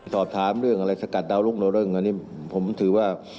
สอบถามเรื่องอะไรสกัดดาวรุกโลเริงอันนี้ผมถือว่า